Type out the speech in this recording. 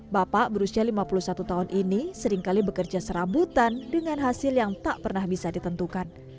bapak berusia lima puluh satu tahun ini seringkali bekerja serabutan dengan hasil yang tak pernah bisa ditentukan